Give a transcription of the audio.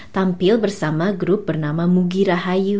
tampil bersama grup bernama mugi rahayu